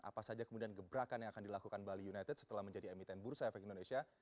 apa saja kemudian gebrakan yang akan dilakukan bali united setelah menjadi emiten bursa efek indonesia